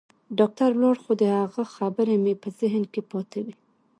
ډاکتر ولاړ خو د هغه خبرې مې په ذهن کښې پاتې وې.